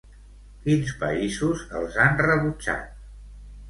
Quins països els han rebutjat?